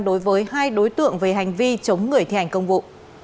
đối với hai đối tượng về hành vi chống người thi hành công vụ